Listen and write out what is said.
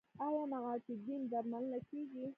آیا معتادین درملنه کیږي؟